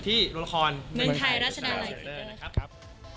ที่ละครเมืองไทยรัชนาไลน์สเตอร์นะครับ